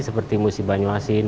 seperti musim banyu asin